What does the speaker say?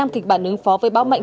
năm kịch bản ứng phó với bão mạnh